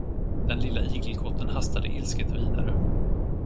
Den lilla igelkotten hastade ilsket vidare.